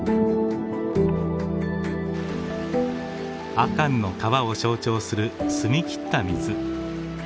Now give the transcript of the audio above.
阿寒の川を象徴する澄み切った水。